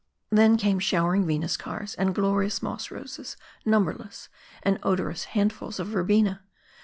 Then came showering Venus cars, and glorious moss roses numberless, and odorous handful s of Verbena.